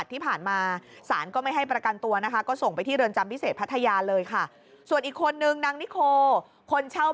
ด้านในก็คือห่วงน้องชาย